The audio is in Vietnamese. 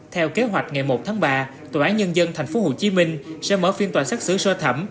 theo kế hoạch ngày một tháng ba tòa án nhân dân tp hcm sẽ mở phiên toàn xét xử sơ thẩm